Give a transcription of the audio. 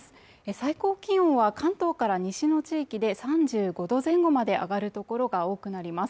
最高気温は関東から西の地域で３５度前後まで上がる所が多くなります